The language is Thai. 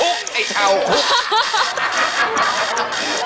ครุกไอเทาครุก